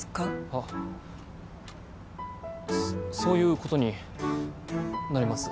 あっそういうことになります